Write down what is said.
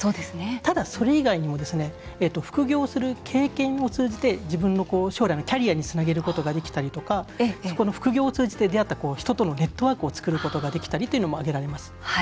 ただ、それ以外にも副業をする経験を通じて自分の将来のキャリアにつなげることができたり副業を通じてつながった人とのネットワークを使うことが挙げられます。